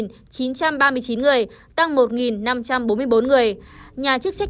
nhà chức trách mỹ đã tăng thêm hai năm trăm linh sáu triệu người